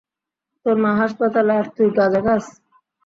তোর মা হাসপাতালে, আর তুই গাজা খাস?